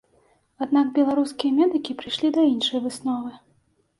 Аднак беларускія медыкі прыйшлі да іншай высновы.